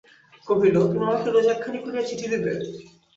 কহিল, তুমি আমাকে রোজ একখানি করিয়া চিঠি দিবে?